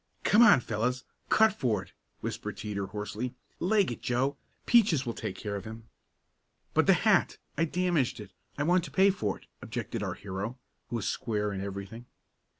"Come on, fellows, cut for it!" whispered Teeter hoarsely. "Leg it, Joe. Peaches will take care of him." "But the hat I damaged it I want to pay for it," objected our hero, who was square in everything.